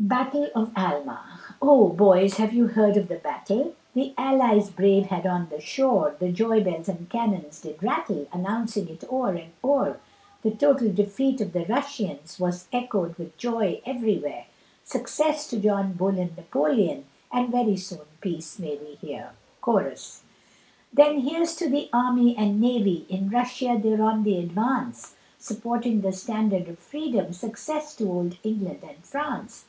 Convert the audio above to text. BATTLE OF ALMA Oh! boys have you heard of the battle, The allies brave had on the shore, The joybells and cannons did rattle, Announcing it o'er and o'er, The total defeat of the Russians, Was echoed with joy everywhere; Success to John Bull and Napolean, And very soon peace may we hear. CHORUS. Then here's to the army and navy, In Russia they're on the advance, Supporting the standard of freedom, Success to old England and France.